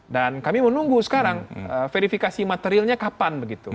dan kami menunggu sekarang verifikasi materialnya kapan begitu